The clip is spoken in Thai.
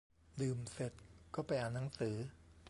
ดื่มเสร็จก็ไปอ่านหนังสือ